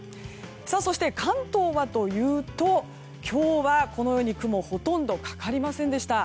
そして関東はというと今日はこのように雲がほとんどかかりませんでした。